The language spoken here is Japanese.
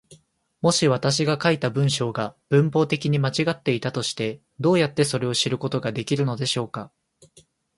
もし私が書いた文章が文法的に間違っていたとして、どうやってそれを知ることができるのでしょうか。